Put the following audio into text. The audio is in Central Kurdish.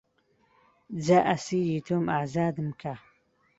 جا ئەسیری تۆم ئازادم کە